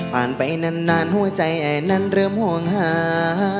ไปนานหัวใจไอ้นั้นเริ่มห่วงหา